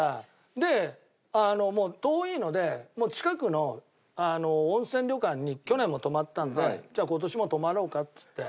でもう遠いので近くの温泉旅館に去年も泊まったんでじゃあ今年も泊まろうかっつって。